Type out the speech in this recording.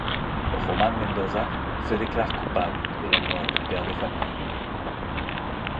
Romàn Mendoza se déclare coupable de la mort du père de famille.